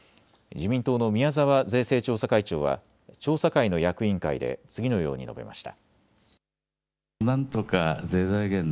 自民党の宮沢税制調査会長は調査会の役員会で次のように述べました。